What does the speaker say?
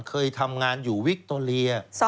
เคยทำงานอยู่วิคโตเรีย